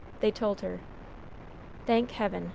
They told her. "Thank Heaven!"